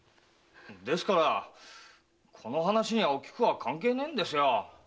ですからこの話にはおきくは関係ないんですよ！